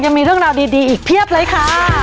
ยังมีเรื่องราวดีอีกเพียบเลยค่ะ